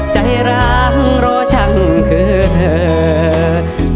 ใจร้างรอช่างคือเธอ